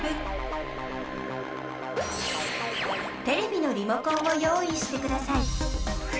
テレビのリモコンを用意してください。